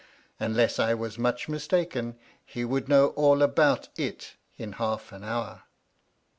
Unless I was much mistaken, he would know all about it in half an hour.